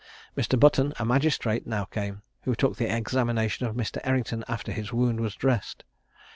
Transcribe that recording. Mr. Button, a magistrate, now came, who took the examination of Mr. Errington after his wound was dressed.